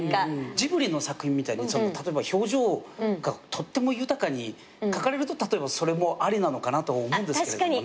ジブリの作品みたいに表情がとっても豊かに描かれると例えばそれもありなのかなと思うんですけれどもね。